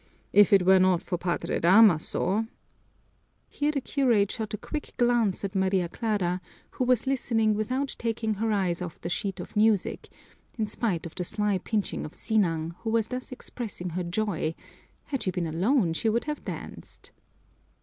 If it were not for Padre Damaso " Here the curate shot a quick glance at Maria Clara, who was listening without taking her eyes off the sheet of music, in spite of the sly pinches of Sinang, who was thus expressing her joy had she been alone she would have danced.